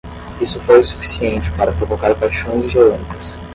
Isso foi o suficiente para provocar paixões violentas.